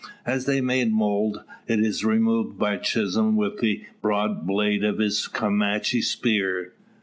As they make mould, it is removed by Chisholm with the broad blade of his Comanche spear.